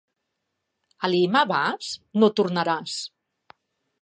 A Lima vas? No tornaràs.